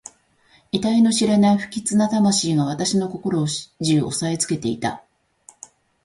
えたいの知れない不吉な魂が私の心を始終おさえつけていた。